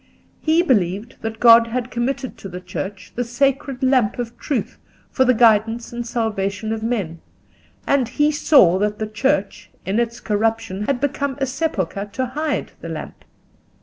He believed that God had committed to the Church the sacred lamp of truth for the guidance and salvation of men, and he saw that the Church, in its corruption, had become a sepulchre to hide the lamp.